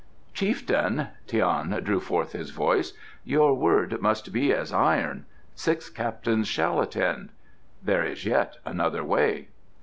"Chieftain" Tian threw forth his voice "your word must be as iron 'Six captains shall attend.' There is yet another way."